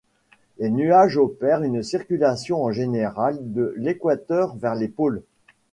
Les nuages opèrent une circulation, en général, de l'équateur vers les pôles.